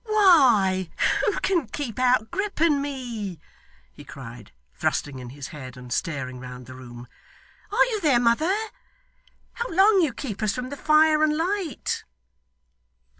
'Why, who can keep out Grip and me!' he cried, thrusting in his head, and staring round the room. 'Are you there, mother? How long you keep us from the fire and light.